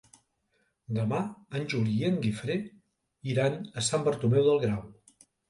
Demà en Juli i en Guifré iran a Sant Bartomeu del Grau.